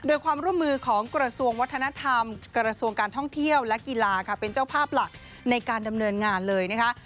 โดยความร่วมมือของกระทรวงวัฒนธรรมกระทรวงการท่องเที่ยวและกีฬาค่ะเป็นเจ้าภาพหลักในการดำเนินงานเลยนะคะ